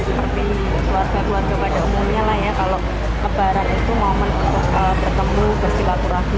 seperti keluarga keluarga pada umumnya lah ya kalau lebaran itu momen untuk bertemu bersilaturahmi